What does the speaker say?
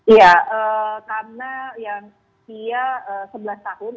iya karena yang usia sebelas tahun